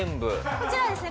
こちらはですね